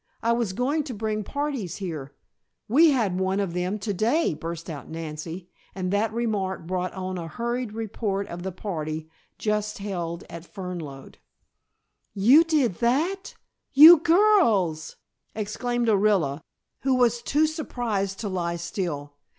I was going to bring parties here " "We had one of them to day," burst out Nancy, and that remark brought on a hurried report of the party just held at Fernlode. "You did that! You girls!" exclaimed Orilla, who was too surprised to lie still.